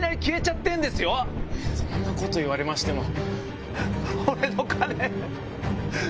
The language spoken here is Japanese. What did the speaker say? そんなこと言われましても。